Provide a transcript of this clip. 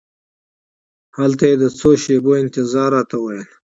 هلته یې د څو شېبو انتظار راته وویل.